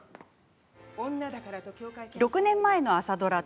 ６年前の朝ドラ